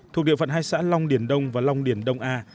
thuộc địa phận hai xã long điển đông và long điền đông a